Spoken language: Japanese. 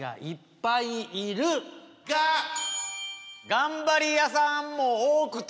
頑張り屋さんも多くて。